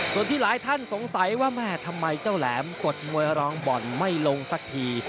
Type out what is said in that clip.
ส่วนที่หลายท่านสงสัยว่าแม่ทำไมเจ้าแหลมกดมวยรองบ่อนไม่ลงสักที